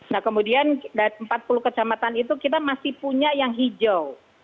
nah kemudian empat puluh kecamatan itu kita masih punya yang hijau